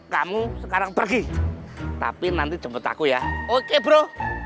kamu sekarang pergi tapi nanti jemput aku ya oke bro